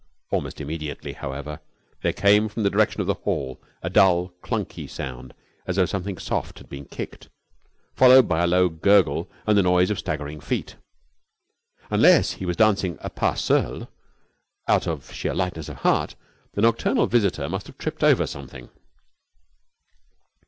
Almost immediately, however, there came from the direction of the hall a dull chunky sound as though something soft had been kicked, followed by a low gurgle and the noise of staggering feet. Unless he was dancing a pas seul out of sheer lightness of heart, the nocturnal visitor must have tripped over something.